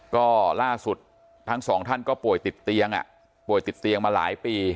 ก็ล่าสุดทั้งสองท่านก็ป่วยติดเตียงป่วยติดเตียงมาหลายปี